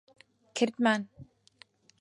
کردمان.